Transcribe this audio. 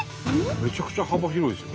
めちゃくちゃ幅広いですよ。